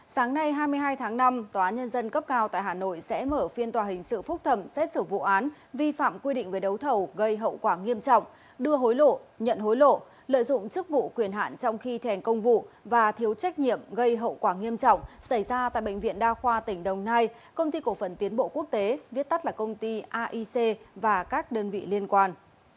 sáng nay hai mươi hai tháng năm tòa án nhân dân cấp cao tại hà nội sẽ mở phiên tòa hình sự phúc thẩm xét xử vụ án vi phạm quy định về đấu thầu gây hậu quả nghiêm trọng đưa hối lộ nhận hối lộ lợi dụng chức vụ quyền hạn trong khi thèn công vụ và thiếu trách nhiệm gây hậu quả nghiêm trọng xảy ra tại bệnh viện đa khoa tỉnh đồng nai công ty cổ phần tiến bộ quốc tế viết tắt là công ty aic và các đơn vị liên quan